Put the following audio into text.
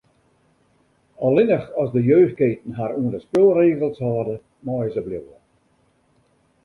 Allinnich as de jeugdketen har oan de spulregels hâlde, meie se bliuwe.